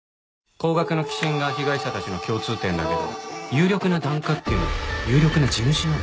高額の寄進が被害者たちの共通点だけど有力な檀家っていうのは有力な地主なんだ。